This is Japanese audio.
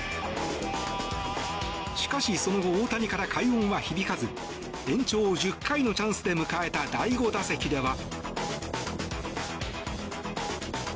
しかし、その後大谷から快音は響かず延長１０回のチャンスで迎えた第５打席では。